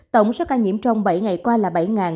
tổng số ca nhiễm trong bảy ngày qua là bảy